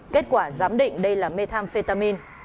kết quả giám định đây là methamphetamine